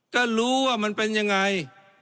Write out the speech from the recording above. ถ้ารู้ว่ามันเป็นยังไง